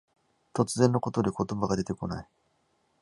突然のことで言葉が出てこない。